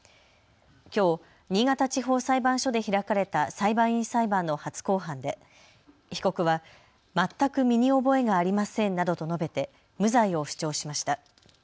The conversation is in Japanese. きょう新潟地方裁判所で開かれた裁判員裁判の初公判で被告は全く身に覚えがありませんなどと述べて無罪を主張しました。